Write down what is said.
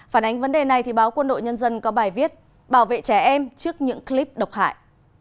phản ánh vấn đề này thì báo quân đội nhân dân có bài viết bảo vệ trẻ em trước những clip độc hại